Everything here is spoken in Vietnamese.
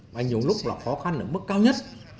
và nhiều lúc là khó khăn ở mức cao nhất